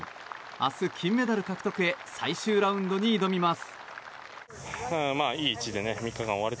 明日、金メダル獲得へ最終ラウンドに挑みます。